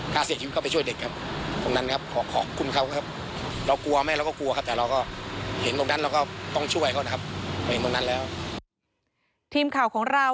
ถ้าเสียชีวิตก็ไปช่วยเด็กครับ